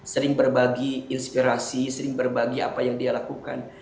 sering berbagi inspirasi sering berbagi apa yang dia lakukan